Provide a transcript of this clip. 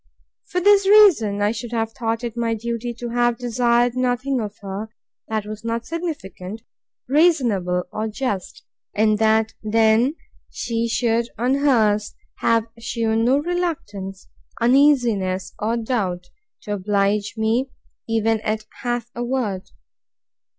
For this reason I should have thought it my duty to have desired nothing of her, that was not significant, reasonable, or just; and that then she should, on hers, have shewn no reluctance, uneasiness, or doubt, to oblige me, even at half a word.